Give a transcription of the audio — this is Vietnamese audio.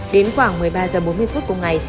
đến khoảng một mươi ba h bốn mươi phút cùng ngày